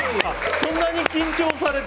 そんなに緊張されて。